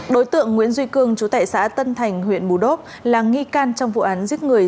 đối tượng nguyễn duy cương chú tại xã tân thành huyện bù đốp là nghi can trong vụ án giết người